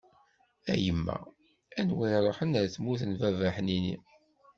A yemma, anwa i ṛuḥen ar tmurt n baba ḥnini.